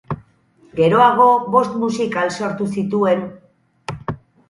Geroago bost musikal sortu zituen.